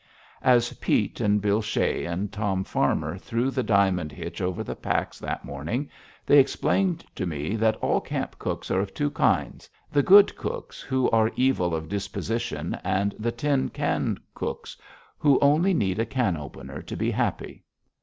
As Pete and Bill Shea and Tom Farmer threw the diamond hitch over the packs that morning, they explained to me that all camp cooks are of two kinds the good cooks, who are evil of disposition, and the tin can cooks, who only need a can opener to be happy.